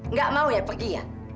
nggak mau ya pergi ya